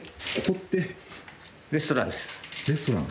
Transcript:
レストラン？